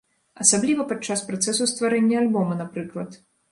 Асабліва падчас працэсу стварэння альбома, напрыклад.